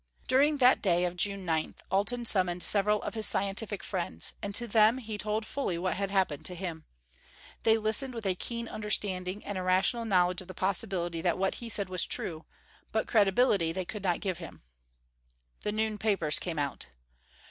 During that day of June 9 Alten summoned several of his scientific friends, and to them he told fully what had happened to him. They listened with a keen understanding and a rational knowledge of the possibility that what he said was true; but credibility they could not give him. The noon papers came out.